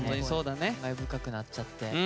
感慨深くなっちゃって。